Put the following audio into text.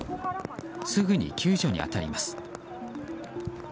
すぐに救助に当たります。